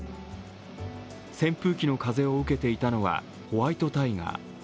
扇風機の風を受けていたのはホワイトタイガー。